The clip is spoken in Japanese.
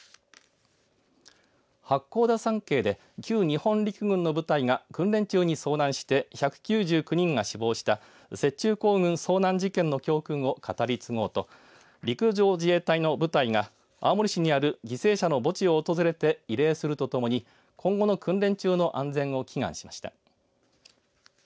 八甲田山系で旧日本陸軍の部隊が訓練中に遭難して１９９人が死亡した雪中行軍遭難事件の教訓を語り継ごうと陸上自衛隊の部隊が青森市にある犠牲者の墓地を訪れて慰霊するとともに今後の訓練中の安全を祈願しました。